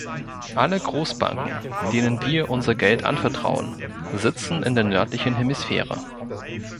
Alle Großbanken, denen wir unser Geld anvertrauen, sitzen in der nördlichen Hemisphäre.